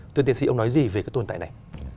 tuyên tiến sĩ ông nói gì về cái tồn tại này